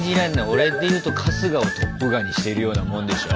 俺で言うと春日をトップ画にしてるようなもんでしょ。